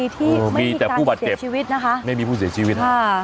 แต่มีแต่ผู้บัดเจ็บไม่มีผู้เสียชีวิต